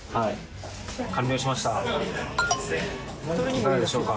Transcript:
いかがでしょうか？